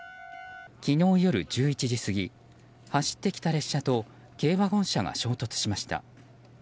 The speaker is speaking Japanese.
昨日夜１１時過ぎ走ってきた列車と軽ワゴン車が衝突しました。